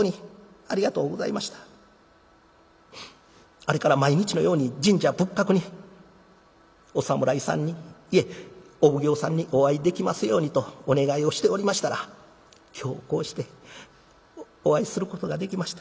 あれから毎日のように神社仏閣にお侍さんにいえお奉行さんにお会いできますようにとお願いをしておりましたら今日こうしてお会いすることができました。